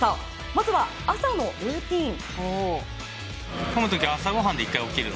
まずは朝のルーティン。